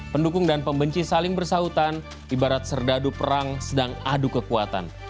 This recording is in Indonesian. pendukung dan pembenci saling bersautan ibarat serdadu perang sedang adu kekuatan